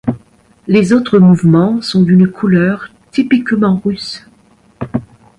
Les autres mouvements sont d'une couleur typiquement russe.